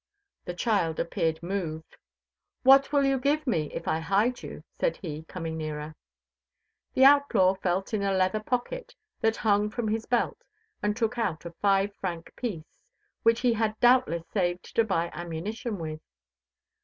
The child appeared moved. "What will you give me if I hide you?" said he, coming nearer. The outlaw felt in a leather pocket that hung from his belt, and took out a five franc piece, which he had doubtless saved to buy ammunition with.